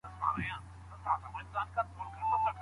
بډایه خلک بې زکاته نه وي.